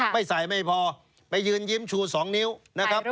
ไม่ใส่ไม่พอไปยืนยิ้มชู๒นิ้วนะครับ